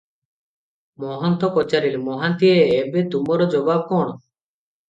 ମହନ୍ତ ପଚାରିଲେ, "ମହାନ୍ତିଏ! ଏବେ ତୁମର ଜବାବ କଣ?"